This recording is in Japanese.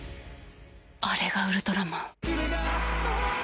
あれがウルトラマン。